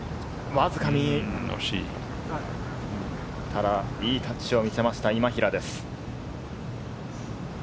ただ良いタッチを見せました今平です。